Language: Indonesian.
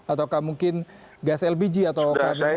atau mungkin gas lpg atau hal lain